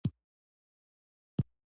ایا ستاسو بند به خلاص شي؟